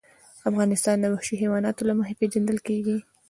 افغانستان د وحشي حیواناتو له مخې پېژندل کېږي.